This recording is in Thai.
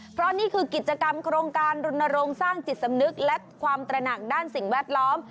เพราะนี่คือกิจกรรมโครงการรณรงค์สร้างจิตสำนึกและความตระหนักด้านสิ่งแวดล้อม